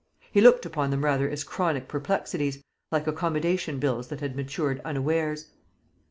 He looked upon them rather as chronic perplexities, like accommodation bills that had matured unawares.